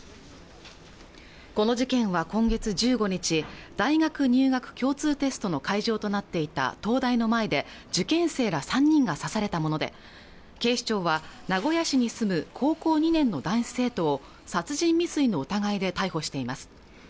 この事件は今月１５日大学入学共通テストの会場となっていた東大の前で受験生ら３人が刺されたもので警視庁は名古屋市に住む高校２年の男子生徒を殺人未遂の疑いで逮捕しています